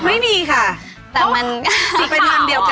ไม่มีค่ะนี่ไปทำเดียวกัน